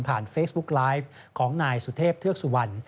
เฟซบุ๊กไลฟ์ของนายสุเทพเทือกสุวรรณ